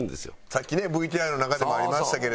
さっきねＶＴＲの中でもありましたけれども。